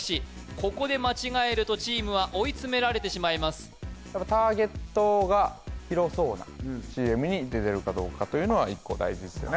ここで間違えるとチームは追い詰められてしまいますに出てるかどうかというのは一個大事ですよね